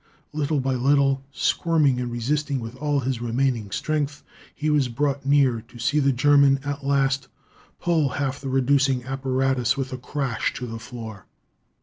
Little by little, squirming and resisting with all his remaining strength, he was brought near to see the German, at last, pull half the reducing apparatus with a crash to the floor.